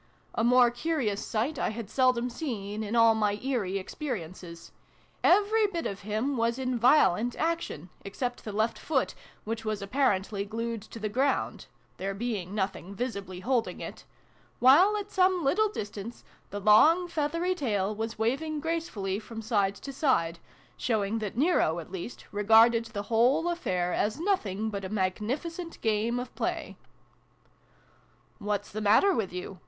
A more curious sight I had seldom seen, in all my ' eerie ' experiences. Every bit of him was in violent action, except the left foot, which was apparently glued to the ground there being nothing visibly holding it : while, at some little distance, the long feathery tail was waving gracefully from side to side, showing that Nero, at least, regarded the whole affair as nothing but a magnificent game of play. " What's the matter with you